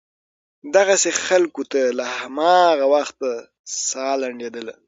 دغسې خلکو ته له هماغه وخته سا لنډېدله.